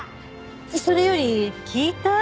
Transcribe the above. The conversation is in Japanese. それより聞いた？